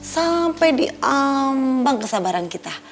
sampai diambang kesabaran kita